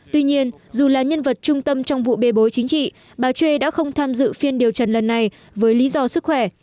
tuy nhiên dù là nhân vật trung tâm trong vụ bê bối chính trị bà chuê đã không tham dự phiên điều trần lần này với lý do sức khỏe